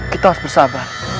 kita harus bersabar